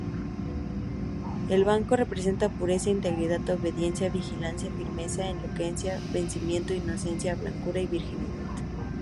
El blanco representa pureza, integridad, obediencia, vigilancia, firmeza, elocuencia, vencimiento, inocencia, blancura y virginidad.